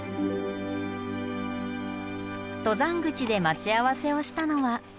登山口で待ち合わせをしたのは。